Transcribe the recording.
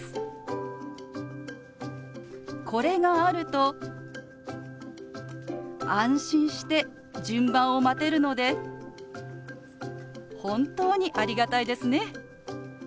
これがあると安心して順番を待てるので本当にありがたいですね。